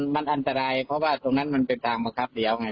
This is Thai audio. มันอันตรายเพราะว่าตรงนั้นมันเป็นทางบังคับแล้วไง